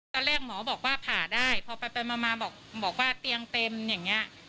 ตอนแรกหมอบอกว่าผ่าได้พอไปมาบอกว่าเตียงเต็มอย่างนี้